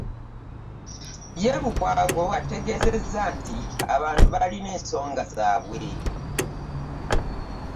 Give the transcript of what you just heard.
Ye Lukwago ategeezezza nti abantu baalina ensonga zaabwe